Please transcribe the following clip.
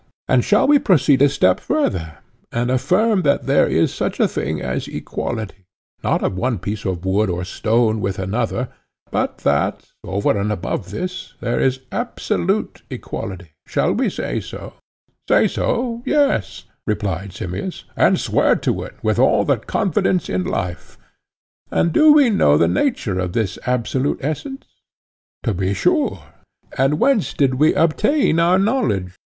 And shall we proceed a step further, and affirm that there is such a thing as equality, not of one piece of wood or stone with another, but that, over and above this, there is absolute equality? Shall we say so? Say so, yes, replied Simmias, and swear to it, with all the confidence in life. And do we know the nature of this absolute essence? To be sure, he said. And whence did we obtain our knowledge?